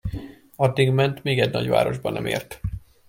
Addig ment, míg egy nagy városba nem ért.